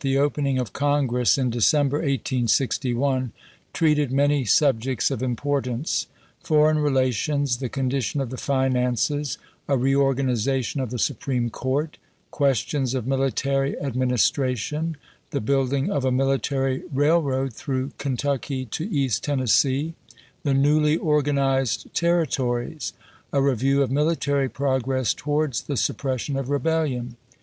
the opening of Congress in December, 1861, treated many subjects of importance — foreign rela tions, the condition of the finances, a reorganization of the Supreme Court, questions of military admin istration, the building of a military railroad through Kentucky to East Tennessee, the newly organized Territories, a review of military progress towards the suppression of rebellion.